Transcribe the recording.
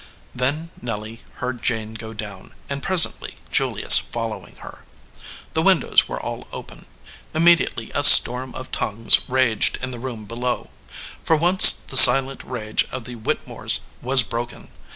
Then Nelly heard Jane go down, and presently Julius following her. The windows were all open. Immediately a storm of tongues raged in the room below. For once the silent rage of the Whitte mores was broken.